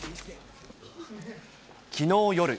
きのう夜。